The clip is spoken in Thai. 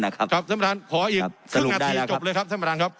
นะครับครับท่านประธานขออีกครับสรุปได้แล้วครับจบเลยครับ